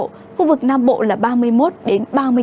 khu vực nam bộ là ba mươi một ba mươi bốn độ